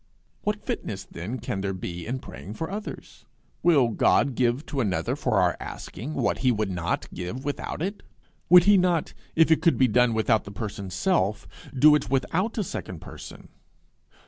What fitness then can there be in praying for others? Will God give to another for our asking what he would not give without it? Would he not, if it could be done without the person's self, do it without a second person?